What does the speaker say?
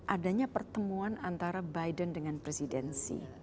adanya pertemuan antara biden dengan presidensi